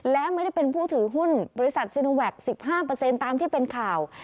และไม่ได้เป็นผู้ถือหุ้นบริษัทซีโนแวค๑๕ตามที่เป็นข่าว